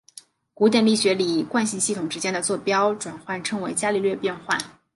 在古典力学里惯性系统之间的座标转换称为伽利略变换。